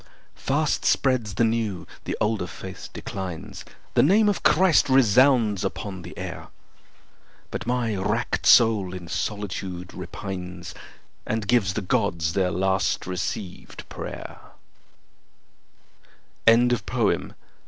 Fast spreads the new; the older faith declines. The name of Christ resounds upon the air. But my wrack'd soul in solitude repines And gives the Gods their last receivèd pray'r. Retrieved from "https://en.